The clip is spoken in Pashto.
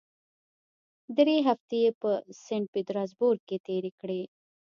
درې هفتې یې په سینټ پیټرزبورګ کې تېرې کړې.